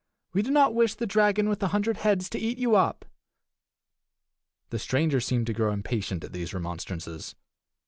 We do not wish the dragon with the hundred heads to eat you up." The stranger seemed to grow impatient at these remonstrances.